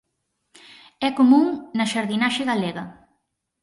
É común na xardinaxe galega.